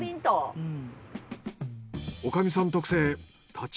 うん。